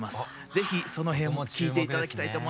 是非その辺も聴いて頂きたいと思います。